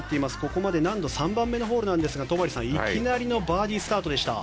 ここまで難度３番目のホールなんですが戸張さん、いきなりのバーディースタートでした。